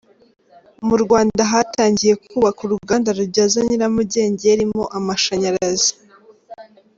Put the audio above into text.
Mu Rwanda hatangiye kubakwa uruganda rubyaza nyiramugengeli mo amashyanyarazi.